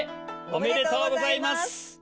おめでとうございます。